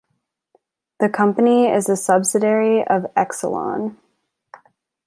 The company is a subsidiary of Exelon.